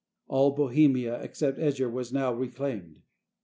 All Bohemia, excepting Eger, was now reclaimed.